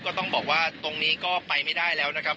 ก็ต้องบอกว่าตรงนี้ก็ไปไม่ได้แล้วนะครับ